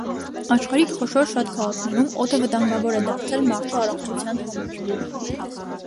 Աշխարհի խոշոր շատ քաղաքներում օդը վտանգավոր է դարձել մարդու առողջության համար։